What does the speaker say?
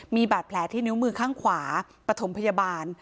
มีบาดแผลที่นิ้วมือข้างขวาปฐมพยาบาล